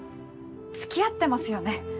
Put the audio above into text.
つきあってますよね？